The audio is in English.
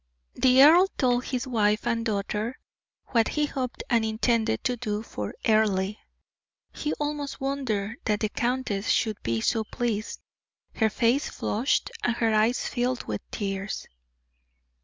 The earl told his wife and daughter what he hoped and intended to do for Earle. He almost wondered that the countess should be so pleased; her face flushed and her eyes filled with tears.